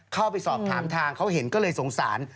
เข้าไปสอบถามทางเขาเห็นก็เลยสงสาร